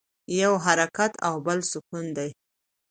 یو حرکت او بل سکون دی.